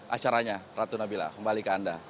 acaranya ratu nabila kembali ke anda